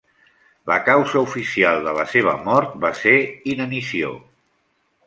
La causa oficial de la seva mort va ser inanició.